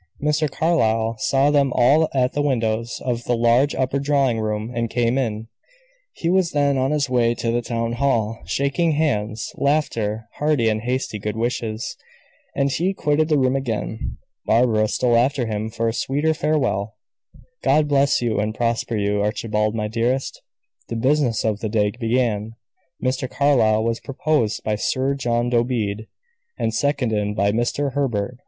Mr. Carlyle saw them all at the windows of the large upper drawing room, and came in; he was then on his way to the town hall. Shaking hands, laughter, hearty and hasty good wishes; and he quitted the room again. Barbara stole after him for a sweeter farewell. "God bless you and prosper you, Archibald, my dearest!" The business of the day began. Mr. Carlyle was proposed by Sir John Dobede, and seconded by Mr. Herbert.